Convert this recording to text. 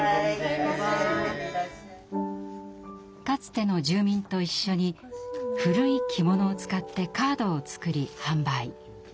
かつての住民と一緒に古い着物を使ってカードを作り販売。